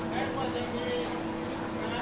สวัสดีค่ะ